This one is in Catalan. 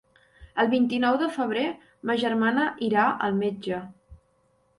El vint-i-nou de febrer ma germana irà al metge.